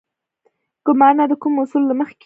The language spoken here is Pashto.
ګمارنه د کومو اصولو له مخې کیږي؟